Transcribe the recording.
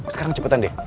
sekarang cepetan deh